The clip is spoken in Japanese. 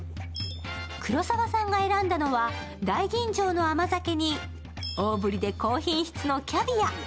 黒沢さんが選んだのは大吟醸の甘酒に大ぶりで高品質のキャビア。